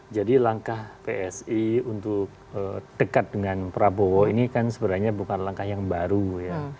jadi langkah psi untuk dekat dengan prabowo ini kan sebenarnya bukan langkah yang baru ya